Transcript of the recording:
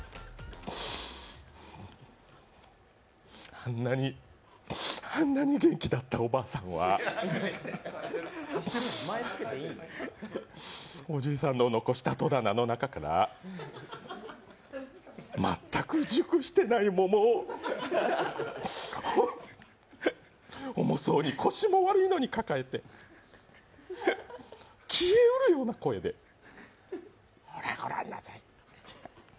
あんなにあんなに元気だったおばあさんはおじいさんの残した戸棚の中から全く熟してない桃を重そうに、腰も悪いのに抱えて、消え入るような声でほらごらんなさい